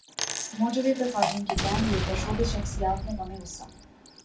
motor وے پر خاتون کے گینگ ریپ پرشوبز شخصیات میں غم غصہ